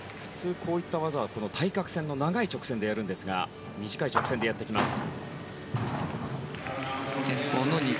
普通こういった技は対角線の長い直線でやるんですが短い直線でやってきました。